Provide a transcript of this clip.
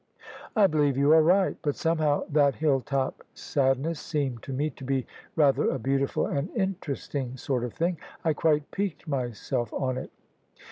" I believe you are right: but somehow that hlU top sad ness seemed to me to be rather a beautiful and Interesting sort of thing. I quite piqued myself on It."